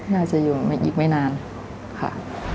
น่าจะอยู่อีกไม่นานค่ะ